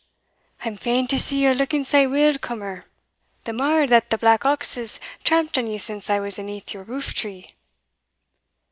"I'm fain to see ye looking sae weel, cummer; the mair, that the black ox has tramped on ye since I was aneath your roof tree."